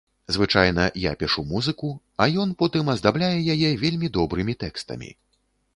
Звычайна, я пішу музыку, а ён потым аздабляе яе вельмі добрымі тэкстамі.